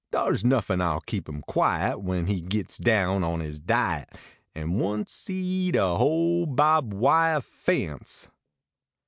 Dar s nuffin 11 keep im quiet When he gits down on is diet, An once e eat a whole bahb wiah faiuce.